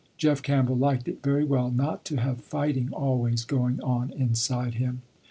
Jeff Campbell liked it very well, not to have fighting always going on inside him.